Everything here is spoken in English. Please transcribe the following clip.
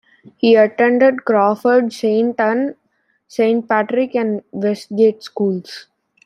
He attended Crawford, Saint Ann, Saint Patrick, and Westgate schools.